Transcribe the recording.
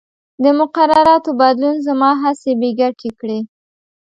د مقرراتو بدلون زما هڅې بې ګټې کړې.